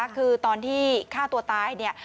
คือตอนที่ฆ่าตัวตายเนี่ย